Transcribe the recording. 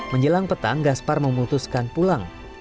menjelang petang gaspar memutuskan pulang